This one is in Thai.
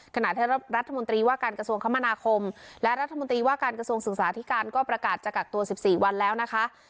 ขณะที่รัฐมนตรีว่าการกระทรวงคมนาคมและรัฐมนตรีว่าการกระทรวงศึกษาที่การก็ประกาศจะกักตัว๑๔วันแล้วนะคะ